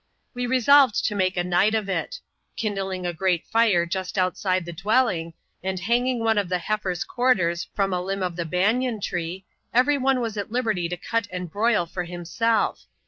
We resolved to make a night of it. Kindling a great fire just outside the dwelling, and hanging one of the heifer's quarters from a limb of the banian tree, every one was at liberty to cut and broil for himself.